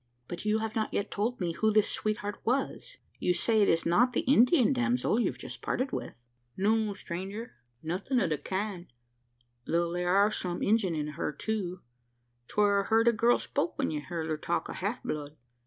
"But you have not yet told me who this sweetheart was? You say it is not the Indian damsel you've just parted with?" "No, stranger, nothin' o' the kind: though there are some Injun in her too. 'Twar o' her the girl spoke when ye heerd her talk o' a half blood.